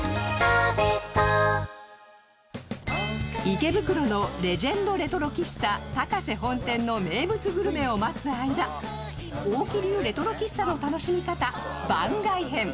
池袋のレジェンド老舗レトロ喫茶、タカセ本店の名物グルメを待つ間、大木流レトロ喫茶の楽しみ方・番外編。